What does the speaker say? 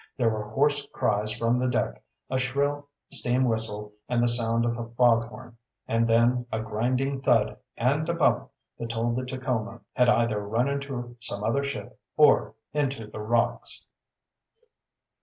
There were hoarse cries from the deck, a shrill steam whistle, and the sound of a fog horn, and then a grinding thud and a bump that told the Tacoma had either run into some other ship or into the rocks.